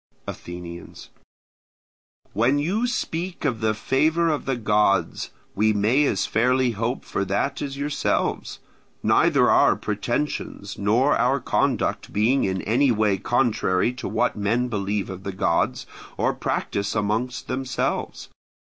Athenians. When you speak of the favour of the gods, we may as fairly hope for that as yourselves; neither our pretensions nor our conduct being in any way contrary to what men believe of the gods, or practise among themselves.